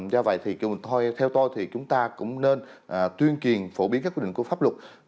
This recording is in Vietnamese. do vậy thì theo tôi thì chúng ta cũng nên tuyên truyền phổ biến các quy định của pháp luật